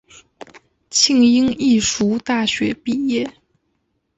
庆应义塾大学毕业。